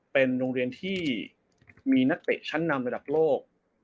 เป็นโรงเรียนที่มีนักเตะชั้นนำระดับโลก